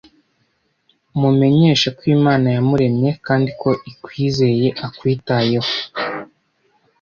Mumenyeshe ko Imana yamuremye, kandi ko ikwizeye akwitayeho.